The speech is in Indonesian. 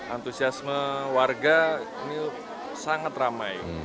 antusiasme warga ini sangat ramai